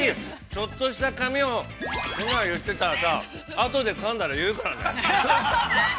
ちょっとしたカミをそんなん言ってたらさあ、後でかんだら言うからね。